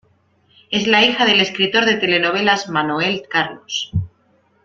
Es la hija del escritor de telenovelas Manoel Carlos.